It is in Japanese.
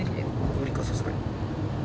無理か、さすがに。